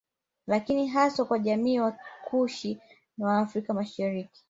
Lakini hasa wa jamii ya Wakushi wa Afrika Mashariki